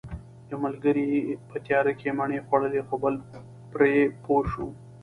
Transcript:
یو ملګری په تیاره کې مڼې خوړلې خو بل پرې پوه شو